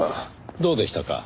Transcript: どうでしたか？